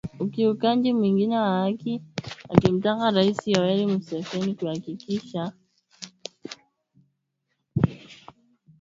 Ukiukwaji mwingine wa haki akimtaka Rais Yoweri Museveni kuhakikisha kuna hatua za kukomesha vitendo hivyo na sio maneno pekee.